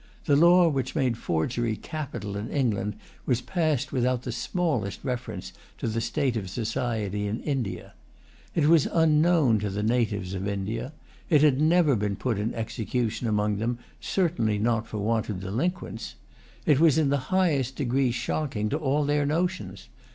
The law which made forgery capital in England was passed without the smallest reference to the state of society in India. It was unknown to the natives[Pg 154] of India. It had never been put in execution among them, certainly not for want of delinquents. It was in the highest degree shocking to all their notions.